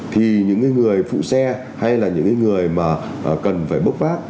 thì những người phụ xe hay là những người mà cần phải bốc vác